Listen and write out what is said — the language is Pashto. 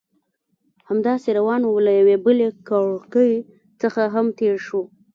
همداسې روان وو، له یوې بلې کړکۍ څخه هم تېر شوو.